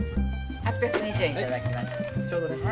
８８０円いただきます。